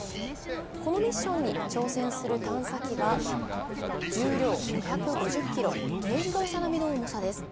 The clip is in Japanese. このミッションに挑戦する探査機は重量５５０ｋｇ、軽自動車並みの重さです。